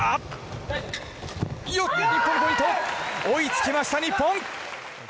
追いつきました、日本！